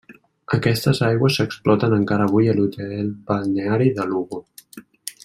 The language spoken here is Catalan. Aquestes aigües s'exploten encara avui a l'Hotel Balneari de Lugo.